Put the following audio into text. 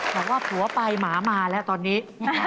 บอกว่าผัวไปหมามาแล้วตอนนี้